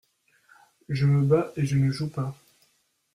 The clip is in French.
Je me bats et je ne joue pas.